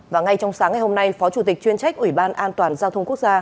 và ngay trong sáng ngày hôm nay phó chủ tịch chuyên trách ủy ban an toàn giao thông quốc gia